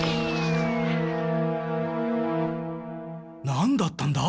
なんだったんだ？